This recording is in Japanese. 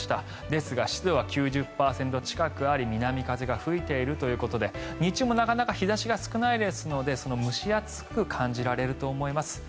ですが、湿度は９０％近くあり南風が吹いているということで日中もなかなか日差しが少ないですので蒸し暑く感じられると思います。